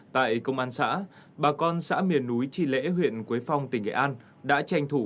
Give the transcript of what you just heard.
tại công an xã bà con xã miền núi tri lễ huyện quế phong tỉnh nghệ an đã tranh thủ